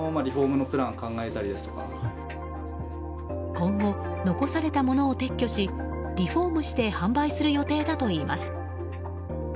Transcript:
今後、残されたものを撤去しリフォームして販売する予定だといいます。